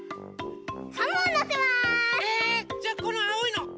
じゃあこのあおいの。